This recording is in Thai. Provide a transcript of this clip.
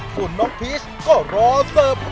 ส่วนน้องพีชก็รอเสิร์ฟ